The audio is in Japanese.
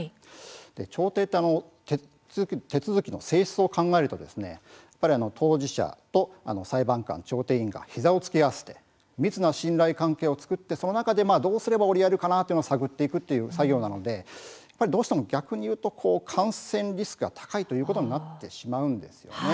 調停って手続きの性質を考えるとやはり当事者と裁判官調停委員が膝を突き合わせて密な信頼関係を作って、その中でどうしたら折り合えるか探っていく作業なのでどうしても、逆に言うと感染リスクが高いということになってしまうんですよね。